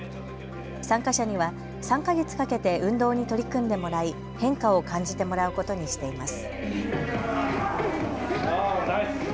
参加者には３か月かけて運動に取り組んでもらい変化を感じてもらうことにしています。